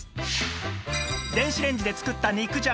電子レンジで作った肉じゃが